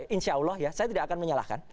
insya allah ya saya tidak akan menyalahkan